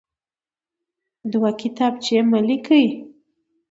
دوه کتابچې مه لیکئ.